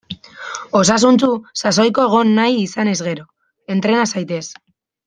Osasuntsu, sasoiko egon nahi izanez gero; entrena zaitez!